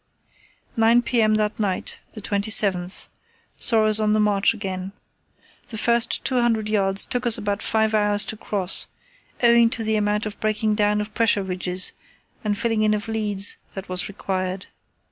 Nine p.m. that night, the 27th, saw us on the march again. The first 200 yds. took us about five hours to cross, owing to the amount of breaking down of pressure ridges and filling in of leads that was required.